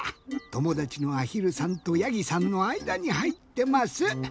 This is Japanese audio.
ともだちのあひるさんとやぎさんのあいだにはいってます。